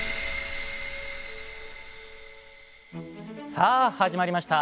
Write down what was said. さあ始まりました。